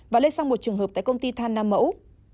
và lây sang một trường hợp tại công ty than nam mẫu